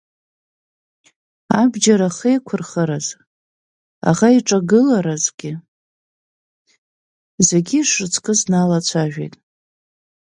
Абџьар ахеиқәырхаразы, аӷа иҿагыларазгьы зегьы ишрыцкыз дналацәажәеит.